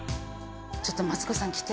ちょっとマツコさん来て。